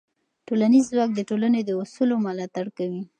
ټولنیز ځواک د ټولنې د اصولو ملاتړ کوي.